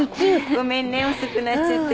ごめんね遅くなっちゃって。